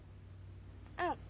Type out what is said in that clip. うん。